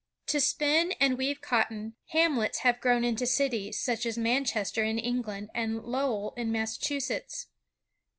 To spin and weave cotton, hamlets have grown into cities, such as Manchester in England, and Lowell in Massachusetts.